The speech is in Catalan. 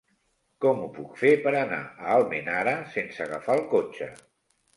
Com ho puc fer per anar a Almenara sense agafar el cotxe?